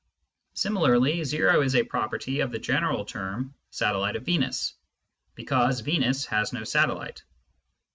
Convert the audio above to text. Similarly, o is a property of the general term "satellite of Venus," because Venus has no satellite.